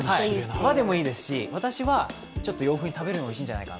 和でもいいですし、私はちょっと洋風に食べるのがおいしいんじゃないかな。